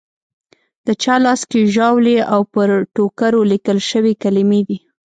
د چا لاس کې ژاولي او پر ټوکرو لیکل شوې کلیمې دي.